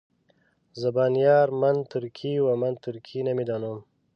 زبان یار من ترکي ومن ترکي نمیدانم.